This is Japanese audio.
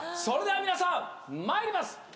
それでは皆さんまいります